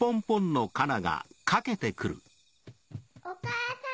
お母さん。